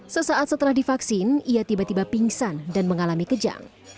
sesaat setelah divaksin ia tiba tiba pingsan dan mengalami kejang